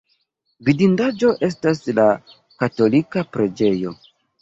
Vidindaĵo estas la katolika preĝejo.